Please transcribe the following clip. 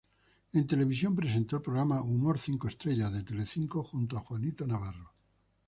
En televisión presentó el programa "Humor cinco estrellas", de Telecinco, junto a Juanito Navarro.